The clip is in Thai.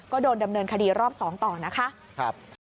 ก็โดนดำเนินคดีรอบ๒ต่อนะคะ